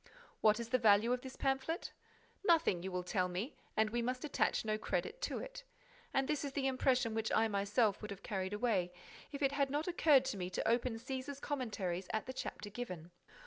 What is the value of this pamphlet? Nothing, you will tell me, and we must attach no credit to it. And this is the impression which I myself would have carried away, if it had not occurred to me to open Cæsar's Commentaries at the chapter given.